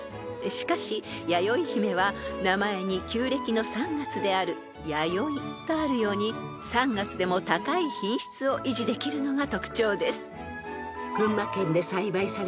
［しかしやよいひめは名前に旧暦の３月である「やよい」があるように３月でも高い品質を維持できるのが特徴です］